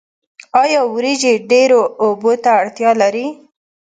آیا وریجې ډیرو اوبو ته اړتیا لري؟